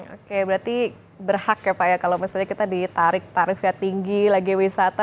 oke berarti berhak ya pak ya kalau misalnya kita ditarik tarifnya tinggi lagi wisata